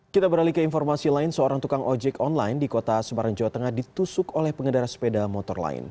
kita beralih ke informasi lain seorang tukang ojek online di kota semarang jawa tengah ditusuk oleh pengendara sepeda motor lain